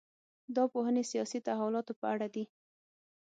دا پوهنې سیاسي تحولاتو په اړه دي.